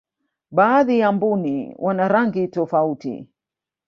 baadhi ya mbuni wana rangi tofauti